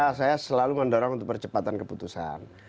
ya saya selalu mendorong untuk percepatan keputusan